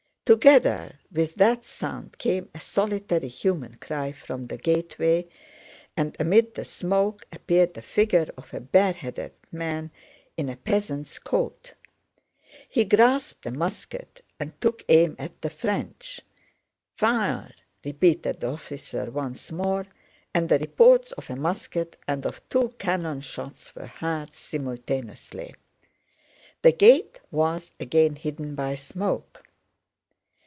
Together with that sound came a solitary human cry from the gateway and amid the smoke appeared the figure of a bareheaded man in a peasant's coat. He grasped a musket and took aim at the French. "Fire!" repeated the officer once more, and the reports of a musket and of two cannon shots were heard simultaneously. The gate was again hidden by smoke.